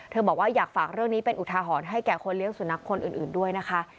บอกว่าอยากฝากเรื่องนี้เป็นอุทาหรณ์ให้แก่คนเลี้ยสุนัขคนอื่นด้วยนะคะ